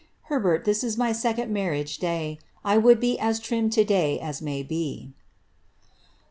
Herbert, this is my second marriage kl be as trim to day as may be."